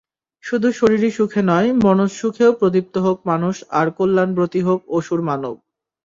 শুধু শরীরী সুখে নয়, মনজ সুখেওপ্রদীপ্ত হোক মানুষআর কল্যাণ ব্রতী হোক অসুর মানব।